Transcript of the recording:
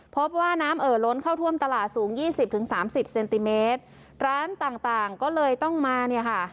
พบว่าน้ำเอ่อล้นเข้าท่วมตลาดสูงยี่สิบถึงสามสิบเซนติเมตรร้านต่างต่างก็เลยต้องมาเนี่ยค่ะ